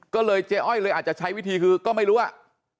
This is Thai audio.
ก็เลยเจ๊อ้อยเลยอาจจะใช้วิธีคือก็ไม่รู้ว่า